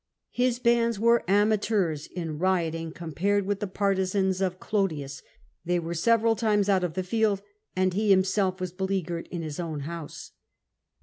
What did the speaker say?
His bands were (imateurs in rioting compared with the partisans of Clodius: they were several times out of the field, and he himself was beleaguered in his house.